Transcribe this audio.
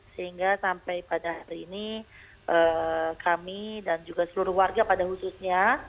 sehingga sampai pada hari ini kami dan juga seluruh warga pada khususnya